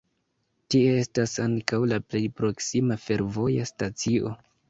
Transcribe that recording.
Tie estas ankaŭ la plej proksima fervoja stacio.